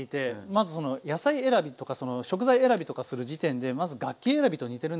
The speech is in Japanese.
まずその野菜選びとか食材選びとかする時点でまず楽器選びと似てるんですよね。